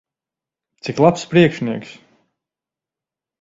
Cik labs priekšnieks!